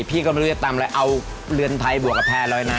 พี่ก็ไม่รู้จะตำอะไรเอาเรือนไทยบวกกับแพร่ลอยน้ำ